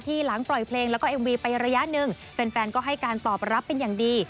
หลังปล่อยเพลงแล้วก็เอ็มวีไประยะหนึ่งแฟนก็ให้การตอบรับเป็นอย่างดี